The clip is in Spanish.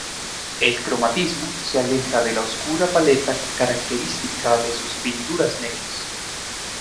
El cromatismo se aleja de la oscura paleta característica de sus "Pinturas negras".